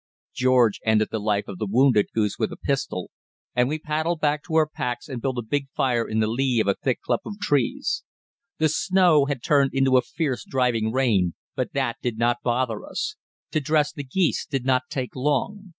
George ended the life of the wounded goose with a pistol, and we paddled back to our packs and built a big fire in the lee of a thick clump of trees. The snow had turned into a fierce, driving rain, but that did not bother us. To dress the geese did not take long.